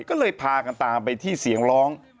ก็เลยพากันตามไปที่เสียงร้อง